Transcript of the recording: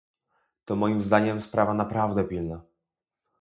To moim zdaniem sprawa naprawdę pilna